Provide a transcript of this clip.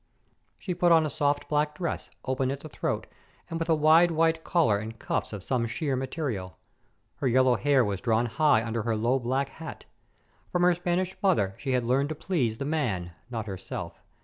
She put on a soft black dress, open at the throat, and with a wide white collar and cuffs of some sheer material. Her yellow hair was drawn high under her low black hat. From her Spanish mother she had learned to please the man, not herself.